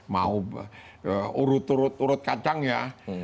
mau urut urut urut kacang ya